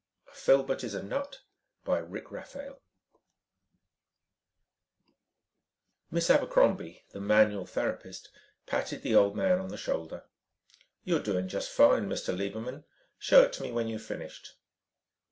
_ Illustrated by Freas Miss Abercrombie, the manual therapist patted the old man on the shoulder. "You're doing just fine, Mr. Lieberman. Show it to me when you have finished."